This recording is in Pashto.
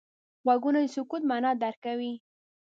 غوږونه د سکوت معنا درک کوي